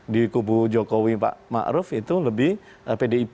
di kubu jokowi ma'ruf itu lebih pdip